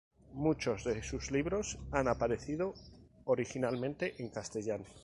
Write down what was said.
Muchos de sus libros han aparecido originariamente en castellano.